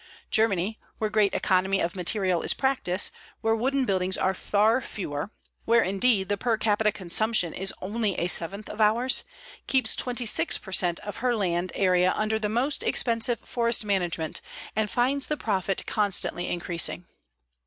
Germany, where great economy of material is practiced, where wooden buildings are far fewer, where, indeed, the per capita consumption is only a seventh of ours, keeps 26 per cent of her land area under the most expensive forest management and finds the profit constantly increasing.